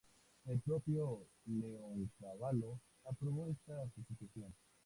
El propio Leoncavallo aprobó esta sustitución.